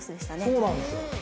そうなんですよ。